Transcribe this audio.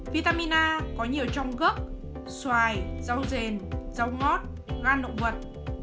vitamin a có nhiều trong gốc xoài rau rèn rau ngót gan động vật